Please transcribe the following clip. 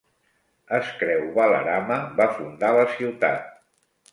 Es creu Balarama va fundar la ciutat.